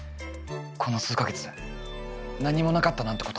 この数か月何もなかったなんてことありません。